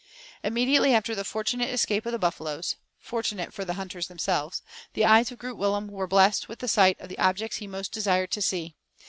Immediately after the fortunate escape of the buffaloes, fortunate for the hunters themselves, the eyes of Groot Willem were blest with the sight of the objects he most desired to see.